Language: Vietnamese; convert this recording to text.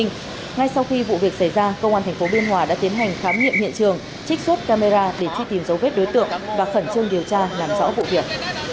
ngay sau khi vụ việc xảy ra công an tp biên hòa đã tiến hành khám nghiệm hiện trường trích xuất camera để truy tìm dấu vết đối tượng và khẩn trương điều tra làm rõ vụ việc